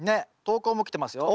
投稿も来てますよ。